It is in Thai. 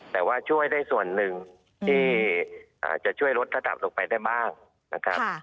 แต่ว่าช่วยได้ส่วนหนึ่งที่จะช่วยลดระดับลงไปได้บ้างนะครับ